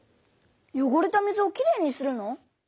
よごれた水をきれいにするの？